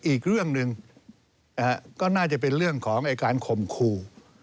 อีกเรื่องหนึ่งก็น่าจะเป็นเรื่องของการข่มขู่